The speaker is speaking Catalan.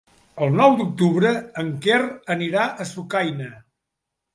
El nou d'octubre en Quer anirà a Sucaina.